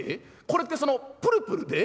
これってそのプルプルで？